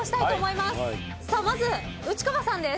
まず内川さんです。